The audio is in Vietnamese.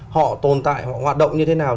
họ tồn tại họ hoạt động như thế nào